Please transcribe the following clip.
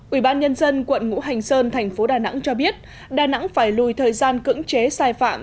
ủy ban nhân dân quận ngũ hành sơn thành phố đà nẵng cho biết đà nẵng phải lùi thời gian cứng chế sai phạm